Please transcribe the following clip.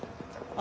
あ！